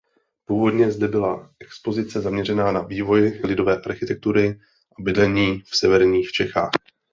Původně zde byla expozice zaměřená na vývoj lidové architektury a bydlení v severních Čechách.